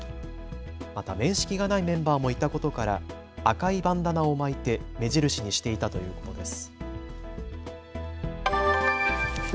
また面識がないメンバーもいたことから赤いバンダナを巻いて目印にしていたということです。